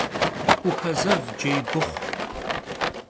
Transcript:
'Upe zev cêy bıxhu.